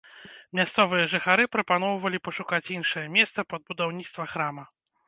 Мясцовыя жыхары прапаноўвалі пашукаць іншае месца пад будаўніцтва храма.